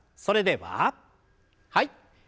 それでははい。